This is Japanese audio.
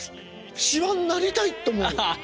しわになりたいって思うよ。